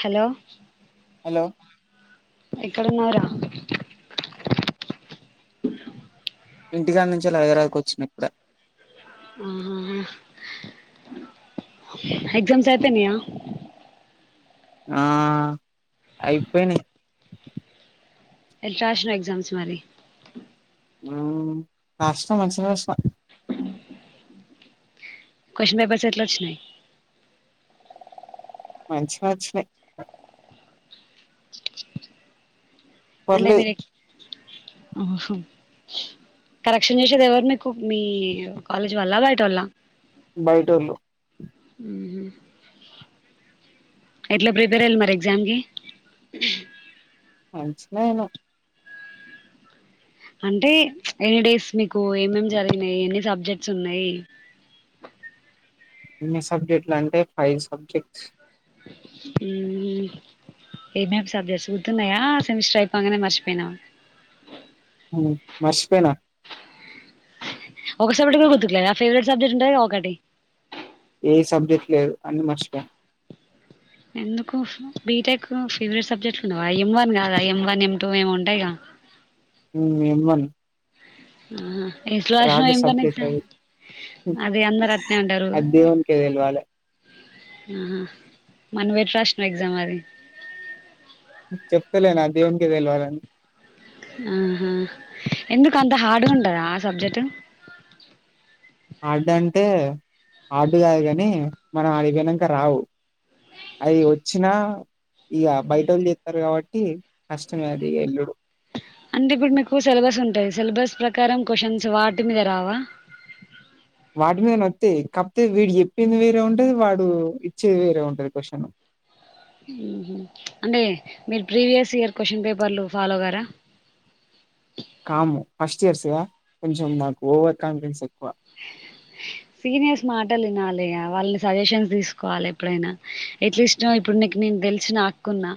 Hello hello ఏక్కడున్నావు రా ఇంటికా నుంచి లగేరాకి వచ్చిన ఇప్పుడే ఆహాహా ఎగ్జామ్స్ అయిపోయినాయ ఆ అయిపోయినయ్ ఇట్ల రాసినావ్ ఎగ్జామ్స్ మరి హ్మ్ రాసిన మంచిగా రాసిన క్యూషన్ పేపర్స్ ఇట్ల వచ్చినాయ్ మంచిగా వచ్చినాయి అంటే పర్లేదు మీరు ఎట్ల ఆ హ కరెక్షన్ చేసేది ఎవరు మీకు మీ కాలేజ్ వాళ్ళ బయట వాళ్ళ బయటోళ్ళు ఎట్లా ప్రిపేర్ అయిలు మరి ఎగ్జామ్స్ కి అంచిన అయినా అంటే ఎనీ డేస్ మీకు ఏమేం జరిగినాయి ఎన్ని సబ్జెక్ట్స్ ఉన్నాయి ఎన్ని సబ్జెక్ట్లు అంటే ఫైవ్ సబ్జెక్ట్స్ హ్మ్ ఏం ఏం సబ్జెక్స్ గుర్తున్నాయా సెమిస్టర్ అయిపోగానే మర్చిపోయినావ హ్మ్ మర్చిపోయిన ఒక సబ్జెక్ట్ కూడా గుర్తుకులేదా ఫేవరెట్ సబ్జెక్ట్ ఉంటది కదా ఒకటి ఏ సబ్జెక్ట్ లేదు అని మర్చిపోయా ఎందుకు బీటెక్ ఫేవరెట్ సబ్జెక్ట్లు ఉండవ ఎం వన్ కాదా ఎం వన్ ఎం టూ ఏం ఉంటాయి గా ఏం వన్ ఎట్ల రాసినావ్ రాడ్ ఏం వన్ సబ్జెక్ట్ ఎగ్జామ్ అది అది అందరు అట్నే అంటారు అది దేవునికే తెలవాలి ఆహా మరీ నువ్వు ఎట్ల రాసినవు ఎగ్జామ్ అది చెప్తలేనా దేవునికి తెలవాలని ఆహా ఎందుకు అంత హార్డ్గా ఉంటదా ఆ సబ్జెక్ట్ హార్డ్ అంటే హార్డ్ కాదు కాని మనం ఆడికి పోయినక రావు అయి వచ్చినా ఇక బయట వాళ్ళు చెప్తారు కాబట్టి కష్టమే అది ఎల్లుడు అంటే ఇప్పుడు మీకు సిలబస్ ఉంటాది సిలబస్ ప్రకారం క్యూషన్స్ వాటి మీద రావా వాటి మీద నే వస్తాయి కాకపోతే వీడు చెప్పింది వేరే ఉంటది వాడు ఇచ్చేది వేరే ఉంటది క్వశ్చన్ అంటే మీరు ప్రీవియస్ ఇయర్ క్వశ్చన్ పేపర్లు ఫాలో కారా కాము ఫస్ట్ ఇయర్స్ గా కొంచెం నాకు ఓవర్ కాన్ఫిడెన్స్ ఎక్కువ సీనియర్స్ మాటలు వినాలే వాళ్ళని సజెషన్స్ తీసుకోవాలి ఎప్పుడైనా ఎట్లీస్ట్ ఇప్పుడు ఇప్పుడు నేను తెలిసిన అక్క ఉన్నా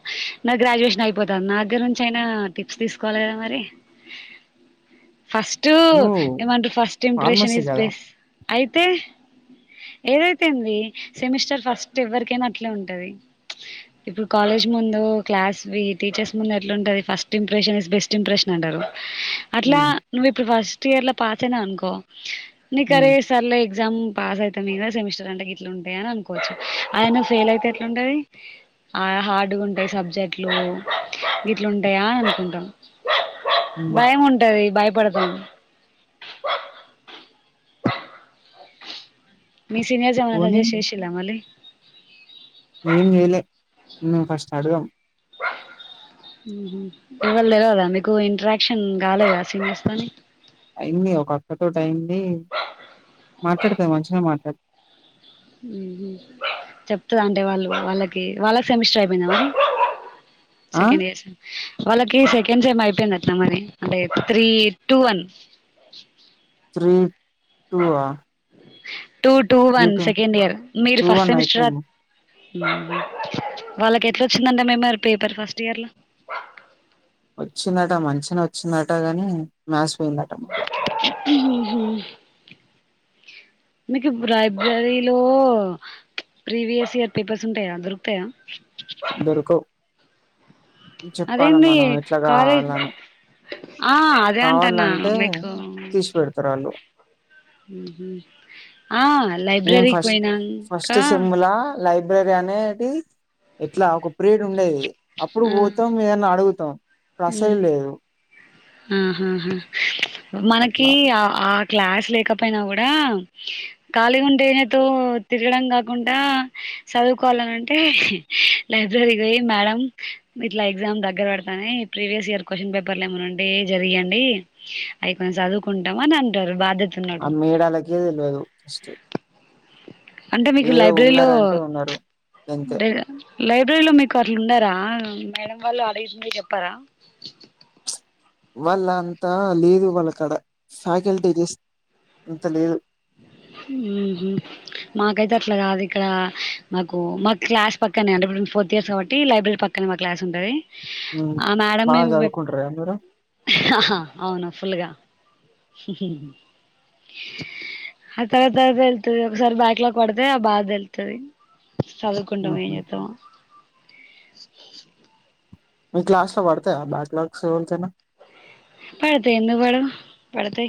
నా గ్రాడ్యుయేషన్ అయిపోతాండి నా దగర నుంచి అయినా టిప్స్ తీసుకోవాలి కదా మరి ఫస్ట్ నువ్వు ఫస్ట్ ఇప్రషన్ ఫార్మసీ ఇస్ కదా బెస్ట్ అయితే ఏదైతే ది సెమిస్టర్ ఫస్ట్ ఎవరికైనా అట్లే ఉంటది ఇప్పుడు కాలేజ్ ముందు క్లాస్ టీచర్స్ ముందు ఎలా ఉంటుది first impression is best impression అంటారు అట్లా ఉమ్, నువ్వు ఇప్పుడు ఫస్ట్ ఇయర్ లో పాస్ అయినాఊ అనుకో నీక అరే ఉమ్, సర్లే ఎగ్జామ్ పాస్ అయితామ్ ఇగ సెమిస్టర్ అంట ఇట్లా ఉంటాయి అని అనుకోవచ్చు అదే ఫెయిల్ అయితే ఎటుంటది ఆ హార్డ్గా ఉంటాయి సబ్జెక్ట్లు గిట్ల ఉంటాయా అని అనుకుంటాము ఉమ్. భయం ఉంటది భయపడతాం మీ సీనియర్స్ ఎమన్నా పోనీ సజెస్ట్ చేసి రా మలి ఏం చేయలే మేం ఫస్ట్ అడుగం ఇవరూ తెలువద మీకు ఇంట్రాక్షన్ కాలేదా సీనియర్స్ తోని అయింది ఒక అక్క తోటి అయింది మాట్లాడుతుంది మంచిగా మాట్లాడుత అ చెప్తుదా అంటే వాళ్ళు వాళ్ళకి వాళ్ళకి సెమిస్టర్ అయిపోయింద మరి ఆ సెకండ్ ఇయర్స్ వాళ్ళకి సెకండ్ సేమ్ అయిపోయింది అట్న మరీ అంటే three two one three [unintelligible] two two one second year మీరు టూ ఫస్ట్ వన్ సెమిస్టర్ అయిపోయింది రా వాళ్ళకి ఎట్లా వచ్చిందటా మేము పేపర్ ఫస్ట్ ఇయర్ ల వచ్చిందట మంచిగా వచ్చిందట గాని మ్యాథ్స్ పోయిందట మళా మీకు లైబ్రరిలో ప్రీవియస్ ఇయర్ పేపర్స్ ఉంటాయా దొరుకుతాయా దొరకవు చెప్పాలి అదేంది మనం ఇట్లా కాలేజ్ కావాలని ఆ అదే అంటన్న కావాలంటే మీకు తీసి పెడతారు వాళ్ళు ఆ మేము లైబ్రరీకి ఫస్ట్ ఫస్ట్ పోయినాంకా సెమ్లా లైబ్రరీ అనేది ఎట్లా ఒక పీరియడ్ ఉండేది అప్పుడు ఆ పోతాం మమని అడుగుతాం రసయం లేదు ఆహా మనకి అట్లా ఆ ఆ క్లాస్ లేకపోయినా కూడా ఖాళీ ఉండేనేెతో తిరగడం కాకుండా చదువుకోవాలని అంటే లైబ్రరీకి పోయి మేడం ఇట్లా ఎగ్జామ్ దగ్గర పడతానే ఈ ప్రీవియస్ ఇయ క్వశ్న్ పేపర్ ఏమండి అంటే జరిగడి అవి కొన్నిం చదువుకుంటాం అని అంటారు బాధ్యత ఆ ఉన్నోళ్ళు మీడలాకే తెలియదు ఫస్ట్ అంటే మీకు ఏదో లైబ్రరీలో ఉన్నారంటే ఉన్నారు గంతే లైబ్రరీలో మీకు అట్లు ఉన్నారా మేడం వాళ్ళు అడగుతుంది చెప్పారా వాళ్ళ అంతా లేదు వాళ్ళక్కడ ఫ్యాకల్టీ చే అంత లేదు ఉ మాకైతే అట్లా కాదు ఇక్కడ మాకు మాకు క్లాస్ పక్కనే అంటే ఇప్పుడు ఫోర్త్ ఇయర్స్ కాట్టి లైబ్రరీ పక్క సినిమా క్లాస్ ఉంటది ఉమ్ ఆ మేడం బాగా మేము చదువుకుంటారా మీరు అవును ఫుల్గా సశ ఆ తర్వాత తర్వాత వెళ్తుది ఒకసారి బ్యాక్ లాగ పడితే ఆ బాధ తెళ్తుంది చదువుకుంటవ ఉహు. చేతం మీ క్లాస్లో పడతే బాట్లక్ష స వెల్తే పడతే ఎందు పడం పడతే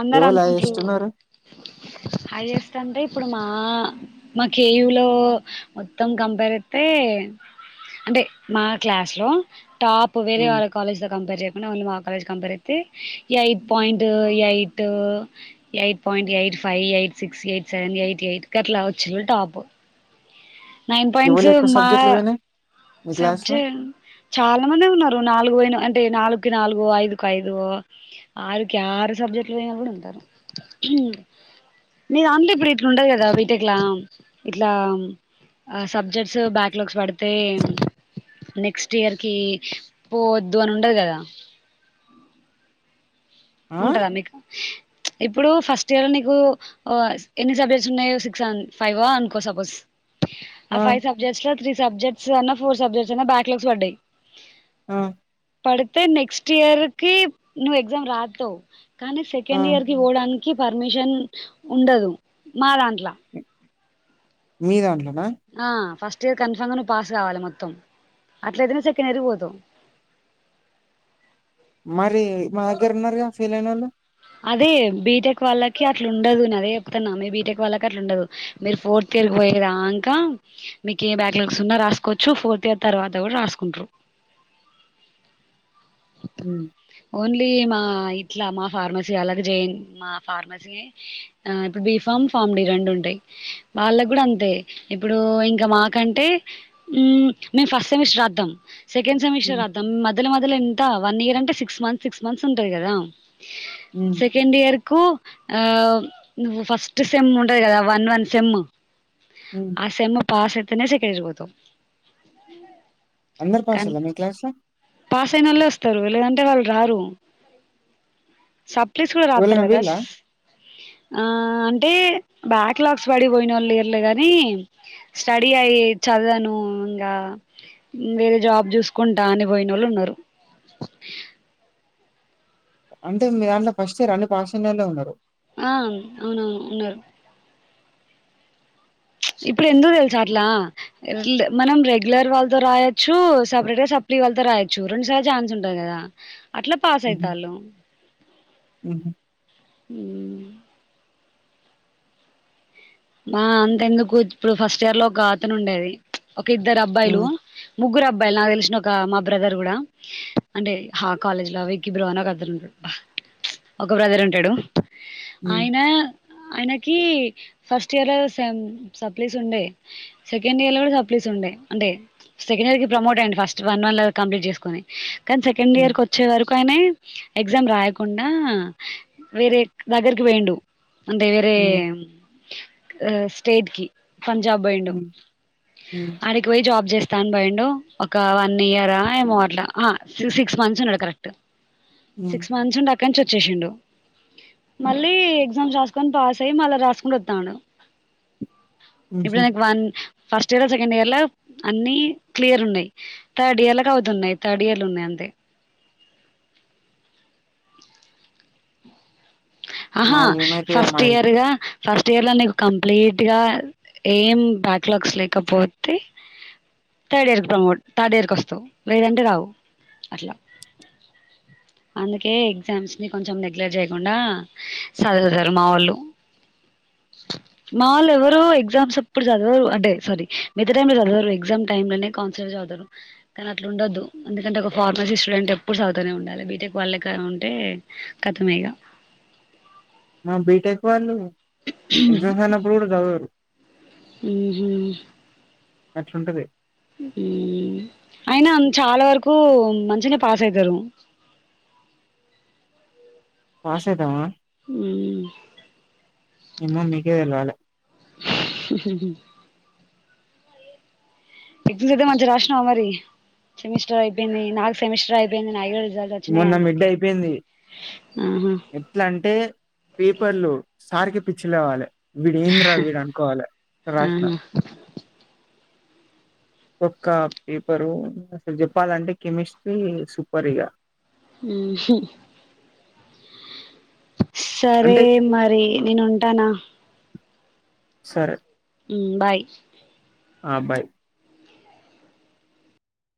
అందరు ఎవరు అనుకుంట్రు హైయెస్ట్ ఉన్నారు హైయెస్ట్ అంటే ఇప్పుడు ఆ మాకయుూలో మొత్తం కంపేర్ అయితే అంటే మా క్లాస్ లో టాప్ వేరే ఉమ్ వాళ్ళ కాలేజ్ త కంపేర్ చేయకుండా ఓన్ మాకు కాలేజ్ కంపేర్తే eight point eight eight point eight five eight eight six eight seven eight eight అట్లా వచ్చి టాప్ నైన్ పాయింట్స్ ఎవరు ఎక్కువ మా సబ్జెక్టులు పోయినాయి మీ క్లాస్ లో సబ్జె చాలా మంది ఉన్నారు నాలుగు అంటే నాలుకు నాలుగుో ఐదుకుఐదు ఆరుకి ఆరు సబ్జెక్ట్లు పోయినా కూడా ఉంటారు మీరు ఆంలీపురి ఇట్లా ఉండదు కదా వీటట్లా ఇట్లా ఆ సబ్జెక్ట్స్ బ్యాక్ లాగ్స్ పడితే నెక్స్ట్ ఇయర్ కి పోవద్దు అని ఉండదు కదా ఆ ఉంటదా మీకు ఇప్పుడు ఫస్ట్ ఇయర్ లో నీకు ఎన్ని సబ్జెక్ట్స్ ఉన్నాయ సిక్స్ ఫైవ్ అనుకో సపోజ్ ఆ ఫైవ్ సబ్జెక్ట్స్ లో త్రీ సబ్జెక్ట్స్ అన్నా ఫోర్ సబ్జెక్ట్స్ అ బ్యాక్లాగ్స్ పడ్డాయి ఆ పడితే నెక్స్ట్ ఇయర్ కి నువ్వు ఎగ్జామ్ రాదుావు కానీ ఆ సెకండ్ ఇయర్ కి పోడానికి పర్మిషన్ ఉండదు మా దాంట్లో మీదన్నా ఆ ఫస్ట్ కన్ఫామ్ నువు పాస్ కావాలి మొత్తం అట్లయినే సెకండ్ ఎరిగిపోతావు [inaudible] మరి మా దగ్గర ఉన్నారుగా ఫీల్ అయిన వాళ్ళు అదే బీటెక్ వాళ్ళకి అట్లా ఉండదు నేను అదే మీ బీటెక్ వాళ్ళ అట్లా ఉండదు మీరు ఫోర్త్ ఇయర్ పోయయి కదా అంకా మీక ఏ బ్యాక్ రాసుకోవచ్చు ఫోర్త్ ఇయర్ తర్వాత కూడా రాసుకుంట్రారు హ ఓన్లీ మా ఇట్లా మా ఫార్మసీ అలాగ చేయ మా ఫార్మసీ ఆ ఇప్పుడు బి ఫామ్ ఫామ్ డి రెండు ఉంటాయి వాళ్ళకు కూడా అంతే ఇప్పుడు ఇంకా మాకంటే మేము ఫస్ట్ సెమిస్టర్ రాద్దాం సెకండ్ సెమిస్టర్ ఉమ్ రాతాం మొ్య మొద్య ఎంత వన్ ఇయర్ అంటే సిక్స్ మంత్స్ సిక్స్ మంత్స్ ఉంటుంది కదా ఉమ్ సెకెండ్ ఇయర్ కు ఆ నువ్వు ఫస్ట్ సెమ్ ఉంటది కదా వన్ వన్ సెమ్ ఉమ్. ఆ సేమ్ పాస్ అయితేనే సెకెజ్ పోతవ్ అందరు కనీ పాసోల్లా మీ క్లాస్ లో పాస్ అయినోల్లే వస్ తరు లేదంటే వాళ్ళు రారు సప్లిస్ కూడా రాతారు ఎవలైనా కదా అ వీళ్ళా ఆ అంటే బ్యాక్ లాగ్స్ పడిపోయినోళ్ళు లేర్లే గాని స్టడీ అయ్యి చదవను ఇంకా వేరే జాబ్ చూసుకుంటా అని పోయినోళ్ళు ఉన్నారు అంటే మీ దాంట్లో ఫస్ట్ ఇయర్ అన్ని పాస్ అయినోల్లే ఉన్నారు ఆ అవునవును ఉన్నారు ఇప్పుడు ఎందుకు తెలుసా అట్లా మనం రెగ్యులర్ వాళ్ళతో రాయొచ్చు సపరేట్ గా సప్లీ వాళ్లతో రాయొచ్చు రెండుసార్లు ఛాన్స్ ఉంటాయి కదా అట్లా పాస్ అయితాలు ఉమ్ హు ఊ మ్ మా అంత ఎందుకు ఇప్పుడు ఫస్ట్ ఇయర్ లో ఒక గాతను ఉండేది ఒక ఇద్దరు అబ్బాయిలు ఉమ్ ముగ్గురు అబ్బా అబ్బాయిలు నాకు తెలిసిన ఒక మా బ్రదర్ కూడా అంటే హా కాలేజ్ లో వికి బ్రో అని ఒకతను ఉంటాడు ఒక బ్రదర్ ఉంటాడు ఉమ్ ఆయన ఆయనకి ఫస్ట్ ఇయర్ లో సమ్ సప్లీస్ ఉండే సెకండ్ ఇయర్ లో కూడా సప్లీస్ ఉండే అంటే సెకండ్ ఇయర్ కి ప్రమోట్ అయిండి ఫస్ట్ వన్ వన్ కంప్లీట్ చేసుకొని కానీ సెకండ్ ఉమ్ ఇయర్కి వచ్చే వరకుయినే ఎగ్జామ్ రాయకుండా వేరే దగ్గరికి పోయిండు అంటే వేరే ఉమ్ స్టేట్ కి పంజాబ్ పొయిండు ఉమ్ ఉమ్ అడికి పోయి జాబ్ చేస్ చేస్తా అని పోయిండు ఒక వన్ ఇయరా ఏమో అట్ల సిక్స్ మంత్స్ ఉన్నాడు కరెక్ట్ ఉమ్ సిక్స్ మంత్స్ ఉండ క్కంచ వచ్చేసిండు మళ్ళీ ఎగ్జామ్స్ రాసుకొని పాస్ అయి మళ్ళీ రాసుకుంట వ తాండు ఇప్పుడు ఉహు ఆయనకు one first year second year లో అన్ని క్లియర్ ఉన్నాయి థర్డ్ ఇయర్ గా అవుతున్నాయి థర్డ్ ఇయర్ లో ఉన్నాయి అంతే ఆహా మాయి ఏమైతయో ఫస్ట్ మాయి ఇయర్గా ఫస్ట్ ఇయర్లో నీకు కంప్లీట్ గా ఏం బ్యాక్లాగ్స్ లేకపోతే థర్డ్ ఇయర్కి ప్రమోట్ థర్డ్ ఇయర్కి వస్తావు లేేదంటే రావు అట్లా అందుకే ఎగ్జామ్స్ ని కొంచెం నెగ్లట్ చేయకుండా సదువుతారు మావోళ్ళు మావాళ్ళు ఎవరు ఎగ్జామ్స్ అప్పుడు చదవరు అంటే సారీ మిగత టైం లో చదవరు ఎగ్జామ్ టైమ్ లోనే చదుతారు కానీ అట్ల ఉండదు ఎందుకంటే ఒక ఫార్మసీ స్టూడెంట్ ఎప్పుడు చదువుతనే ఉండాలి బీటెక్ వాళ్ళే లెక్క ఉంటే కతమిగా మా బీటెక్ వాళ్ళు ఎగ్జామ్స్ అయినప్పుడు కూడా చదవరు ఉమ్ హు అట్లుంటది ఉమ్ అయినా చాలా వరకు మంచినే పాస్ అవుతారు పాసైతామా ఊ మ్ ఏమో మీకే తెలవాలే [inaudible] ఎగ్జమ్స్ అయితే మంచిగా రాసినవా మరి సెమిస్టర్ అయిపోయింది నాకు సెమిస్టర్ అయిపోయింది నా మొన్న మిడ్డ అయిపోయింది ఆహా ఎట్ల అంటే పేపర్లు సారికి పిచ్చిలేవ్వాలి వీడు ఏంద్రా వీడు అనుకోవాలి అట్ల రాసిన ఆహా ఒక్క పేపరు అసలు చెప్పాలంటే కెమిస్ట్రీ సూపర్ ఇగ ఉమ్ హు సరే అంటే మరి నేను ఉంటానా సరే ఉమ్ బాయ్ ఆ బాయ్